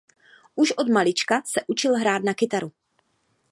Už od malička se učil hrát na kytaru.